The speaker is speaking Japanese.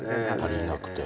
足りなくて。